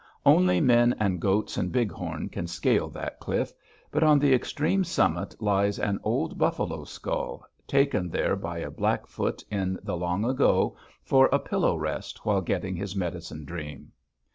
Only men and goats and bighorn can scale that cliff, but on the extreme summit lies an old buffalo skull, taken there by a Blackfoot in the long ago for a pillow rest while getting his medicine dream.